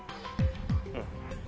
うん。